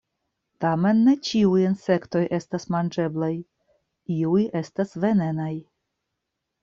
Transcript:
Tamen ne ĉiuj insektoj estas manĝeblaj, iuj estas venenaj.